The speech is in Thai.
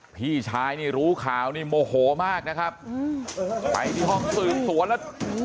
พี่ชายนี่รู้ข่าวนี่โมโหมากนะครับไปที่ห้องสืบสวนแล้ว